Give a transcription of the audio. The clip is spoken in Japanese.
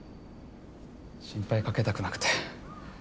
心配かけたくなくて。